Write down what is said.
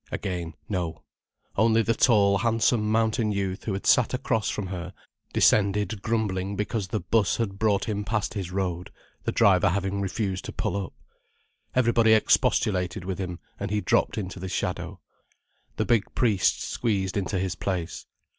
Again no. Only the tall, handsome mountain youth who had sat across from her, descended grumbling because the 'bus had brought him past his road, the driver having refused to pull up. Everybody expostulated with him, and he dropped into the shadow. The big priest squeezed into his place.